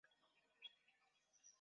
Amevaa miwani kubwa.